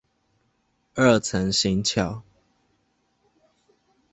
二層行橋